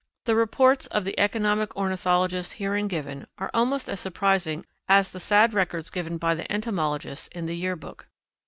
The reports of the economic ornithologists herein given are almost as surprising as the sad records given by the entomologists in the Year Book.